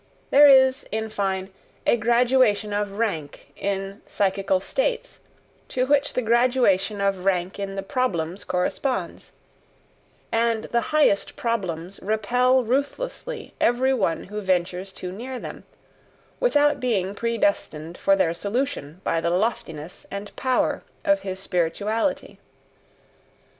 There is, in fine, a gradation of rank in psychical states, to which the gradation of rank in the problems corresponds; and the highest problems repel ruthlessly every one who ventures too near them, without being predestined for their solution by the loftiness and power of his spirituality.